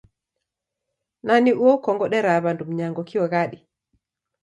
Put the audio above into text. Nani uo ukongodera w'andu mnyango kio ghadi?